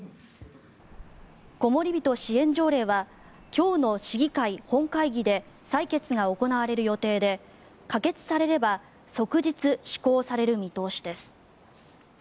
こもりびと支援条例は今日の市議会本会議で採決が行われる予定で可決されれば即日施行される見通しです。